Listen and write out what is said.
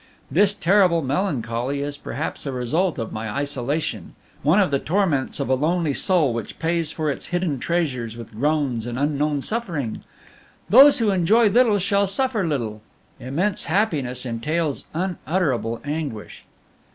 This terrible melancholy is perhaps a result of my isolation, one of the torments of a lonely soul which pays for its hidden treasures with groans and unknown suffering. Those who enjoy little shall suffer little; immense happiness entails unutterable anguish!